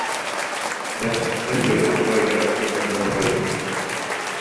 Дьэ, сир- дойду уларыйара түргэн да буолар эбит